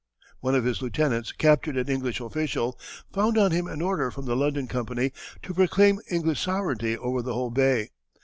One of his lieutenants, capturing an English official, found on him an order from the London Company to proclaim English sovereignty over the whole bay.